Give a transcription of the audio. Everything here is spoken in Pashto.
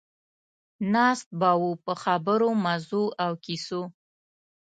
ناست به وو په خبرو، مزو او کیسو.